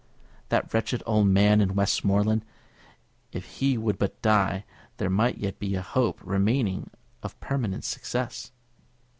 That wretched old man in Westmoreland! If he would but die, there might yet be a hope remaining of permanent success!